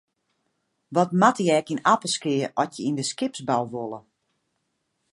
Wat moatte je ek yn Appelskea at je yn de skipsbou wolle?